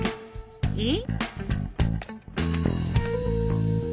えっ？